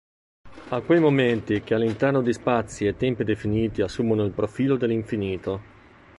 A quei momenti che all’interno di spazi e tempi definiti assumono il profilo dell’infinito.